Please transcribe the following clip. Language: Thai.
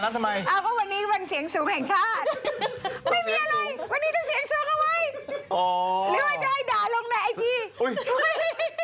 หรือว่าจะให้ด่าลงในไอจี